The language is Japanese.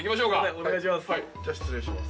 お願いします。